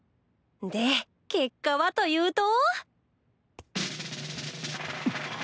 で結果はというと。